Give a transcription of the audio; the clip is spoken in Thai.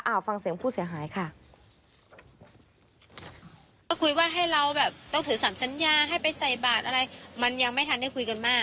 เอาฟังเสียงผู้เสียหายค่ะ